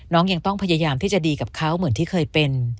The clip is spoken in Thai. น้องยังต้องพยายามที่จะดีกับเขาเหมือนที่เคยเป็น